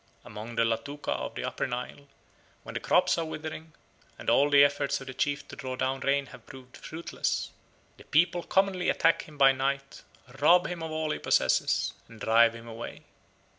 Among the Latuka of the Upper Nile, when the crops are withering, and all the efforts of the chief to draw down rain have proved fruitless, the people commonly attack him by night, rob him of all he possesses, and drive him away.